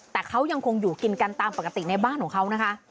แต่เขายังคงอยู่กินกันตามปกติในบ้านของเขานะคะ